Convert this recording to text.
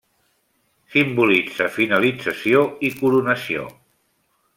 Simbolitza finalització i coronació.